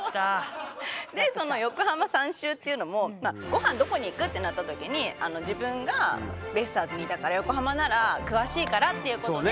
その横浜３周っていうのもご飯どこに行く？ってなった時に自分がベイスターズにいたから横浜なら詳しいからっていうことで。